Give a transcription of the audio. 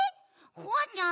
ホワちゃん